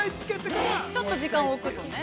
◆ちょっと時間を置くというね。